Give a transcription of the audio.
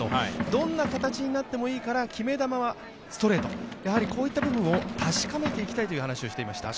どんな形になってもいいから決め球はストレート、やはりこういった部分を確かめていきたいと話していました。